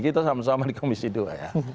kita sama sama di komisi dua ya